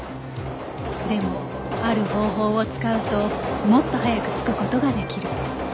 でもある方法を使うともっと早く着く事ができる